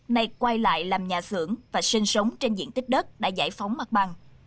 này quay lại làm nhà xưởng và sinh sống trên diện tích đất đã giải phóng mặt bằng